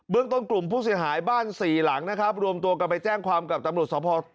ต้นกลุ่มผู้เสียหายบ้านสี่หลังนะครับรวมตัวกันไปแจ้งความกับตำรวจสภ